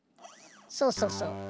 そうそうそう。